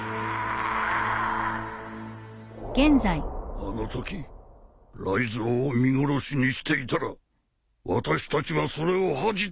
あのとき雷ぞうを見殺しにしていたら私たちはそれを恥じて。